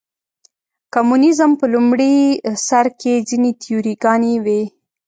کمونیزم په لومړي سر کې ځینې تیوري ګانې وې.